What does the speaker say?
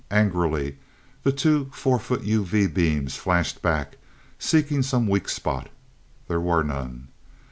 Angrily the two four foot UV beams flashed back seeking some weak spot. There were none.